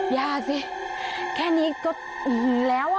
ยากสิแค่นี้ก็หึงแล้วอ่ะ